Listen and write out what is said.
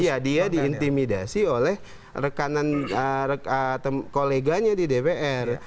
iya dia diintimidasi oleh rekanan koleganya di dpr